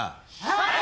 はい！